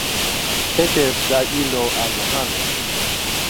Peter da illo a Johannes.